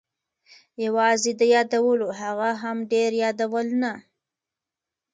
یوازې د یادولو، هغه هم ډېر یادول نه.